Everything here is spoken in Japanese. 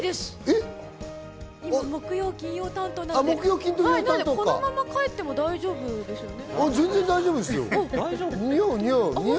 木曜、金曜担当なので今日はこのまま帰っても大丈夫ですよね。